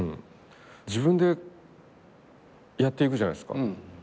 自分でやっていくじゃないですか。